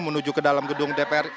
menuju ke dalam gedung dpr